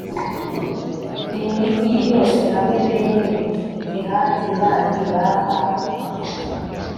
imigi yose hamwe bene kehati bandi bahawe